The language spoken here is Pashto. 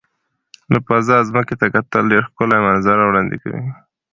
له فضا ځمکې ته کتل ډېر ښکلي منظره وړاندې کوي.